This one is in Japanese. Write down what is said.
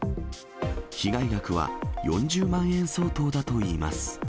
被害額は４０万円相当だといいます。